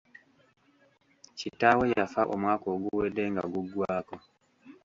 Kitaawe yafa omwaka oguwedde nga guggwaako.